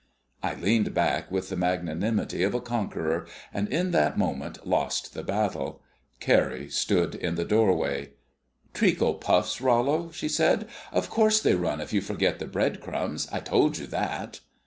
I leaned back with the magnanimity of a conqueror, and in that moment lost the battle. Carrie stood in the doorway. "Treacle puffs, Rollo!" she said. "Of course they run if you forget the bread crumbs. I told you that!"